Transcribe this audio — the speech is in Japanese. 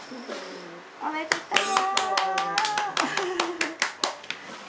おめでとう！